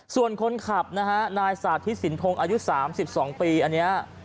ส่วนคนขับนะฮะนายสาธิตสินพงษ์อายุสามสิบสองปีอันเนี้ย